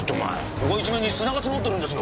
ここ一面に砂が積もってるんですよ。